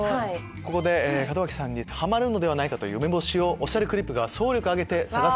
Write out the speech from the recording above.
ここで門脇さんにハマるのでは？という梅干しを『おしゃれクリップ』が総力を挙げて探してきました。